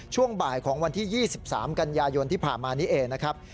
ช่วงบ่ายของวันที่๒๓กันยายนที่ผ่านมานี้เองนะครับ